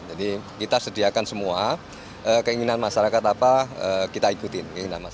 jadi kita sediakan semua keinginan masyarakat apa kita ikutin